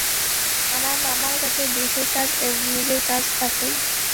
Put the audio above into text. আমার মামার কাছে দেশের কাজ এবং নিজের কাজ একই।